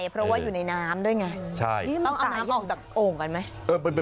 เพราะว่าอยู่ในน้ำด้วยไงต้องเอาน้ำออกจากโอ่งกันไหม